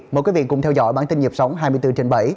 mời quý vị cùng theo dõi bản tin nhịp sống hai mươi bốn trên bảy